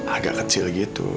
agak kecil gitu